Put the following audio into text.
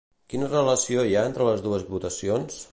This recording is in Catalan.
Quina relació hi ha entre les dues votacions?